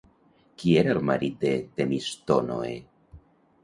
Qui era el marit de Temistònoe?